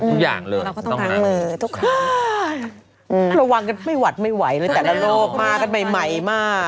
ระวังกันไม่หวัดไม่ไหวเลยแต่ละโลกมากะแต่ใหม่มาก